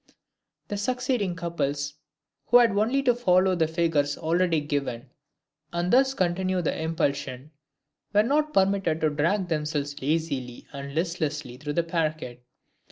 The succeeding couples, who had only to follow the figures already given, and thus continue the impulsion, were not permitted to drag themselves lazily and listlessly along the parquet.